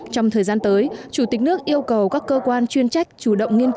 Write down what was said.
trong thời gian tới chủ tịch nước yêu cầu các cơ quan chuyên trách chủ động nghiêm trọng